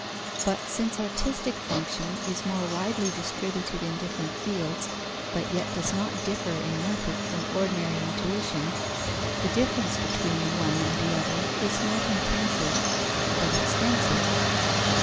But since artistic function is more widely distributed in different fields, but yet does not differ in method from ordinary intuition, the difference between the one and the other is not intensive but extensive.